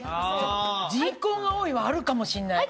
人口が多いはあるかもしれない。